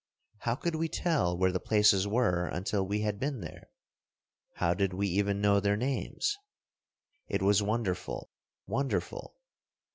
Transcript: How could we tell where the places were 13 until we had been there? How did we even know their names? It was wonderful — wonderful!